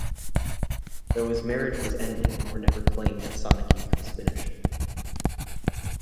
Though his marriage was ending Moore never claimed that Sonic Youth was finished.